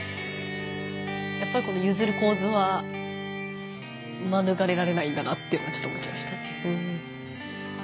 やっぱりこのゆずる構図はまぬがれられないんだなってちょっと思っちゃいましたね。